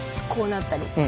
こうなったり。